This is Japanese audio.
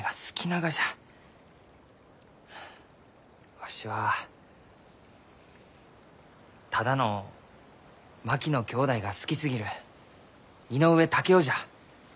わしはただの槙野きょうだいが好きすぎる井上竹雄じゃ。